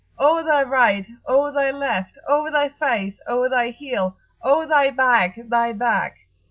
"O thy right! O thy left! O thy face! O thy heel! O thy back, thy back!"